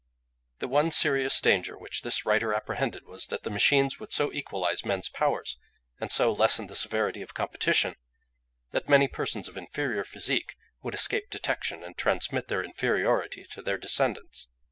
The one serious danger which this writer apprehended was that the machines would so equalise men's powers, and so lessen the severity of competition, that many persons of inferior physique would escape detection and transmit their inferiority to their descendants.